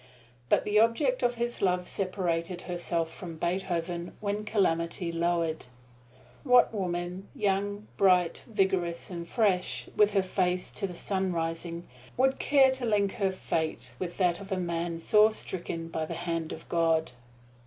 But the object of his love separated herself from Beethoven when calamity lowered. What woman, young, bright, vigorous and fresh, with her face to the sunrising, would care to link her fair fate with that of a man sore stricken by the hand of God!